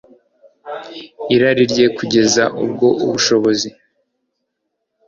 irari rye kugeza ubwo ubushobozi